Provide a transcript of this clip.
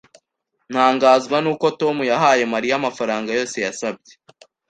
Ntangazwa nuko Tom yahaye Mariya amafaranga yose yasabye.